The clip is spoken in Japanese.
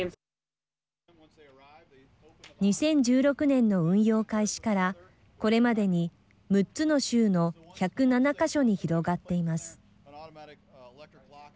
２０１６年の運用開始からこれまでに６つの州の１０７か所に広がっています。